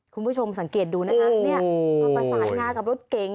คุณผู้ชมสังเกตดูมามาสายงานกับรถเก่ง